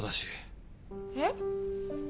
えっ？